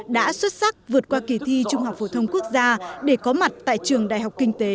đã xuất sắc vượt qua kỳ thi trung học phổ thông quốc gia để có mặt tại trường đại học kinh tế